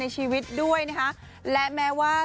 ชีวิตด้วยนะคะและแม้ว่า